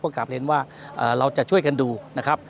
ก็กลับเรียนว่าเราจะช่วยกันดูนะครับ